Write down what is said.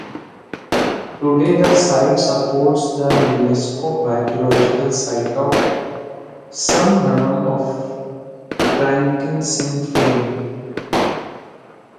Today the site supports the Unesco archaelogical site of Sumharam of Frankincense fame.